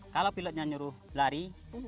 kalau pilotnya nyuruh lari